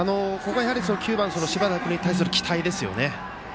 ９番、柴田君に対する期待ですよね。